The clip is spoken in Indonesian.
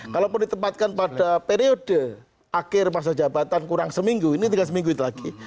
kalaupun ditempatkan pada periode akhir masa jabatan kurang seminggu ini tiga seminggu itu lagi